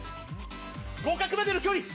合格までの距離。